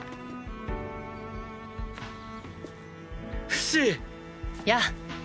フシ！やあ。